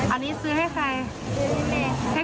อันนี้ซื้อให้ใคร